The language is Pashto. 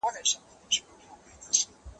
پر سجدوی وي زیارتو کي د پیرانو